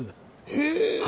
へえ！